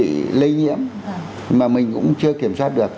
bị lây nhiễm mà mình cũng chưa kiểm soát được